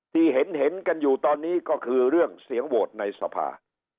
ที่เห็นกันอยู่ตอนนี้ก็คือเรื่องเสียงโหวตในสภา